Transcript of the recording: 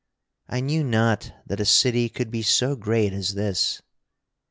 I knew not that a city could be so great as this."